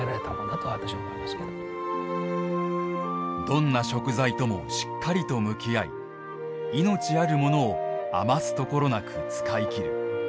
どんな食材ともしっかりと向き合いいのちあるものを余すところなく使い切る。